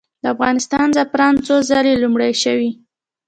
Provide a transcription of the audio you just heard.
د افغانستان زعفران څو ځله لومړي شوي؟